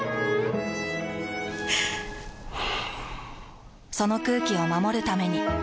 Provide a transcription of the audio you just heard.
ふぅその空気を守るために。